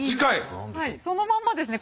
はいそのまんまですね。